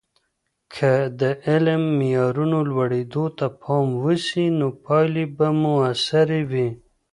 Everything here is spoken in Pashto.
که د علم د معیارونو لوړیدو ته پام وسي، نو پایلې به موثرې وي.